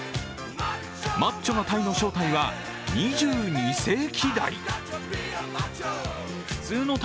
マッチョな鯛の正体は２２世紀鯛。